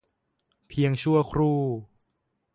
เพียงชั่วครู่